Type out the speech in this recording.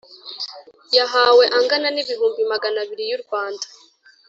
Yahawe angana n ibihumbi magana abiri y u Rwanda